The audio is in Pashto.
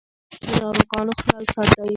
د ناروغانو خیال ساتئ.